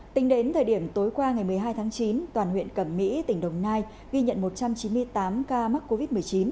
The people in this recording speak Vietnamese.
tính đến thời điểm tối qua ngày một mươi hai tháng chín toàn huyện cẩm mỹ tỉnh đồng nai ghi nhận một trăm chín mươi tám ca mắc covid một mươi chín